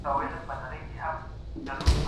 ډګر څېړنه ډېري تجربې غواړي.